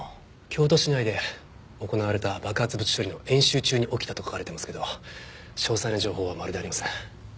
京都市内で行われた爆発物処理の演習中に起きたと書かれてますけど詳細な情報はまるでありません。